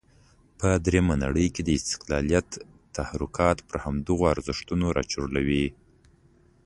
په درېمه نړۍ کې د استقلالیت تحرکات پر همدغو ارزښتونو راچورلوي.